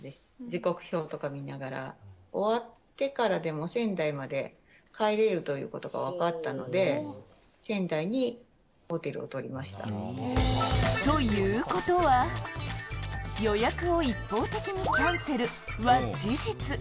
時刻表とか見ながら、終わってからでも仙台まで帰れるということが分かったので、ということは、予約を一方的にキャンセルは事実。